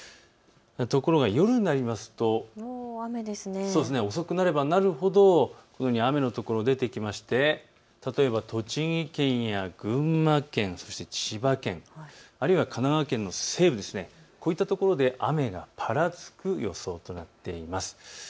ところが夜になりますと遅くなればなるほど雨の所が出てきまして、例えば栃木県や群馬県、そして千葉県、あるいは神奈川県の西部、こういったところで雨がぱらつく予想となっています。